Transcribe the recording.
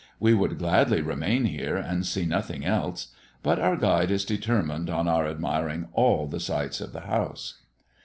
We would gladly remain here and see nothing else; but our guide is determined on our admiring all the sights of the house.